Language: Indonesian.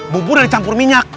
bubur dari campur minyak